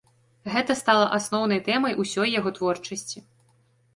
Гэта стала асноўнай тэмай усёй яго творчасці.